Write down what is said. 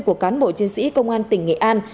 của cán bộ chiến sĩ công an tỉnh nghệ an